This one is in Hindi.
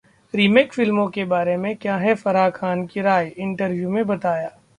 रीमेक फिल्मों के बारे में क्या है फराह खान की राय, इंटरव्यू में बताया